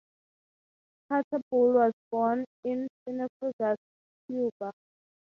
Tartabull was born in Cienfuegos, Cuba.